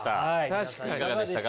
確かにいかがでしたか？